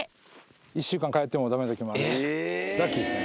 １週間通ってもだめなときがあるし、ラッキーですね。